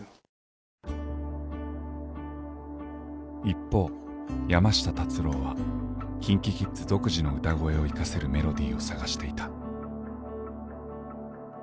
一方山下達郎はＫｉｎＫｉＫｉｄｓ独自の歌声を生かせるメロディーを探していた。